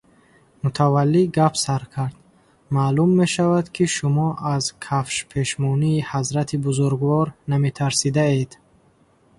Мутаваллӣ гап сар кард: – Маълум мешавад, ки шумо аз кафшпешмонии ҳазрати бузургвор наметарсидаед?